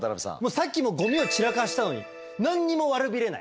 さっきもゴミを散らかしたのに何にも悪びれない。